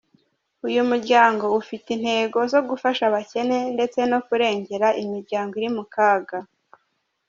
Uyu muryango ufite intego zo gufasha abakene ndetse no kurengera imiryango iri mu kaga.